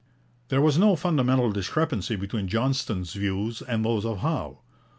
There was no fundamental discrepancy between Johnston's views and those of Howe.